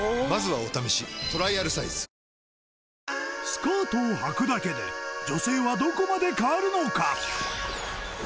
スカートをはくだけで女性はどこまで変わるのか？